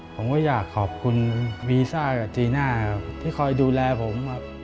ผมก็อยากขอบคุณวีซ่ากับจีน่าที่คอยดูแลผม